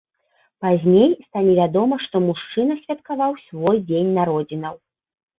Пазней стане вядома, што мужчына святкаваў свой дзень народзінаў.